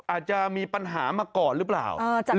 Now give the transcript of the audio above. อาจจะมีปัญหามาก่อนหรือเปล่า